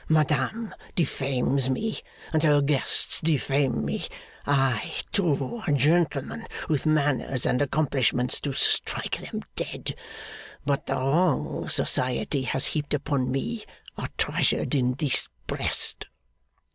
Madame defames me, and her guests defame me. I, too, a gentleman with manners and accomplishments to strike them dead! But the wrongs society has heaped upon me are treasured in this breast.